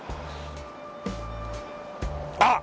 あっ！